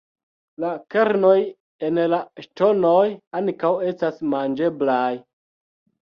La kernoj en la ŝtonoj ankaŭ estas manĝeblaj.